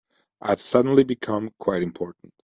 I've suddenly become quite important.